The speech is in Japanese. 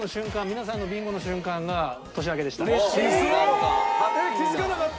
皆さんのビンゴの瞬間が年明けでした。